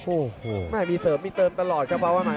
โอ้โหไม่มีเสริมไม่เติมตลอดครับฟ้าวันใหม่